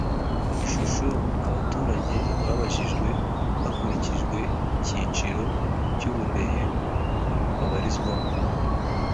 Ishusho Abaturage Babajijwe Hakurikijwe Icyiciro Cy Ubudehe Babarizwamo